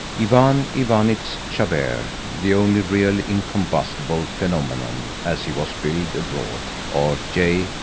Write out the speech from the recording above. Ivan Ivanitz Chabert, the only Really Incombustible Phenomenon, as he was billed abroad, or J.